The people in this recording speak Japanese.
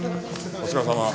お疲れさまです。